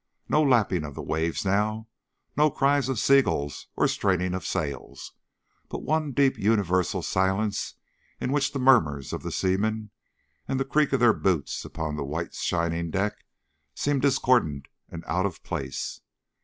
No lapping of the waves now, no cries of seagulls or straining of sails, but one deep universal silence in which the murmurs of the seamen, and the creak of their boots upon the white shining deck, seem discordant and out of place.